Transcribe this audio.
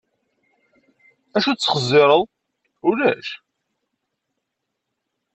D acu d-txeẓẓreḍ? Ulac.